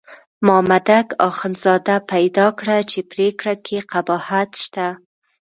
مامدک اخندزاده پیدا کړه چې پرېکړه کې قباحت شته.